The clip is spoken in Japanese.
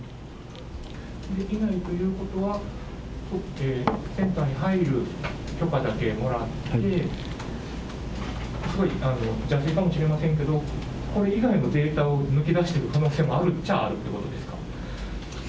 いないということは、センターに入る許可だけもらって、邪推かもしれませんけど、これ以外のデータを抜き出してる可能性もあるっちゃあるということですか。